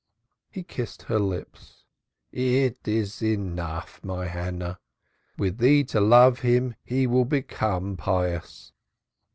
He kissed her lips. "It is enough, my Hannah. With thee to love him, he will become pious.